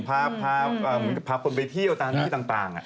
พาคนไปที่เอาใช้ทางต่าง